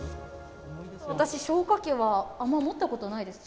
私、消火器はあまり持ったことないです。